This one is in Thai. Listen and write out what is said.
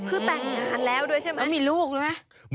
คือแต่งงานแล้วด้วยใช่ไหมมีลูกรู้ไหม